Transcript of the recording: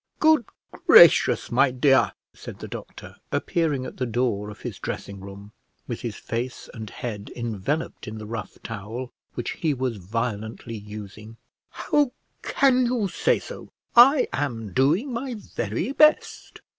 "Good gracious, my dear," said the doctor, appearing at the door of his dressing room, with his face and head enveloped in the rough towel which he was violently using; "how can you say so? I am doing my very best."